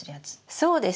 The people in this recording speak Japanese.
そうです。